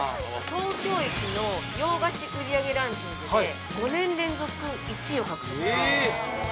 ◆東京駅の洋菓子売上ランキングで５年連続１位を獲得したんです。